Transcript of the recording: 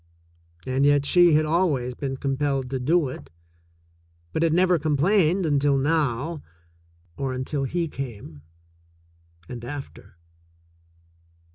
And yet she had always been com pelled to do it, but had never complained until now — or until he came, and after.